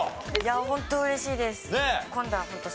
ホント嬉しいです。